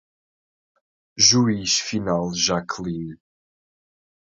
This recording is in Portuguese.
Juiz Final Jaqueline